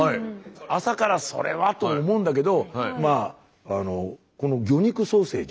朝からそれはと思うんだけどまああのこの魚肉ソーセージ。